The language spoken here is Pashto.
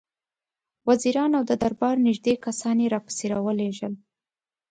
وزیران او د دربار نېږدې کسان یې راپسې را ولېږل.